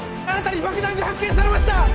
新たに爆弾が発見されました！